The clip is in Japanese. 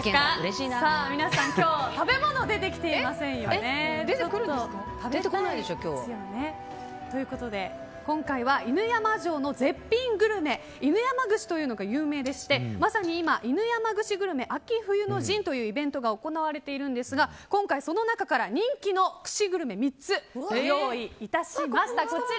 皆さん、今日は食べ物が出てきていませんよね。ということで今回は犬山城の絶品グルメ犬山串というのが有名でしてまさに今犬山串グルメ秋冬の陣というイベントが行われていますが今回、その中から人気の串グルメを３つ、ご用意しました。